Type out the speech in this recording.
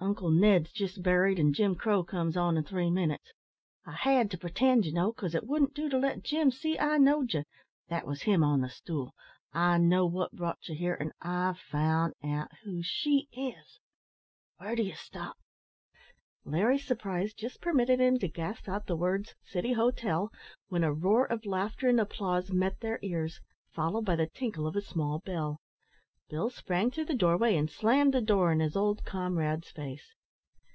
Uncle Ned's jist buried, and Jim Crow comes on in three minutes. I had to pretend, ye know, 'cause it wouldn't do to let Jim see I know'd ye that wos him on the stool I know wot brought ye here an' I've fund out who she is. Where d'ye stop?" Larry's surprise just permitted him to gasp out the words "City Hotel," when a roar of laughter and applause met their ears, followed by the tinkle of a small bell. Bill sprang through the doorway, and slammed the door in his old comrade's face.